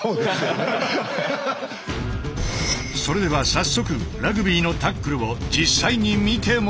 それでは早速ラグビーのタックルを実際に見てもらおう。